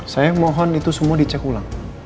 saya mohon itu semua dicek ulang